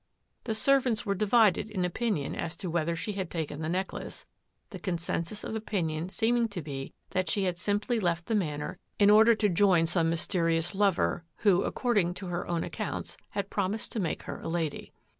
'* The servants were div opinion as to whether she had taken the ne the consensus of opinion seeming to be that s simply left the Manor in order to join som r\ WHERE HAD MELDRUM BEEN? «3 terlous lover, who, according to her own accounts, had promised to make her a lady.